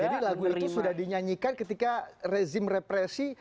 jadi lagu itu sudah dinyanyikan ketika rezim represi